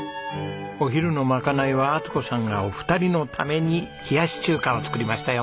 お昼の賄いは充子さんがお二人のために冷やし中華を作りましたよ。